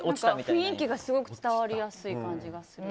雰囲気がすごく伝わりやすい感じがする。